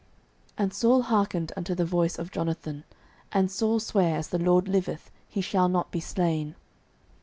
09:019:006 And Saul hearkened unto the voice of Jonathan: and Saul sware, As the LORD liveth, he shall not be slain.